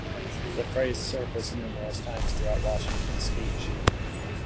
This phrase surfaced numerous times throughout Washington's speech.